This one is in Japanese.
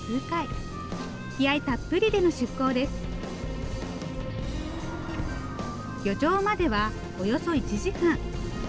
気合いたっぷりでの出港です。